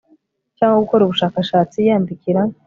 cyangwa gukora ubushakashatsi yandikira